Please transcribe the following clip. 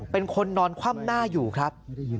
เป็นคนนอนคว่ำหน้าอยู่ครับ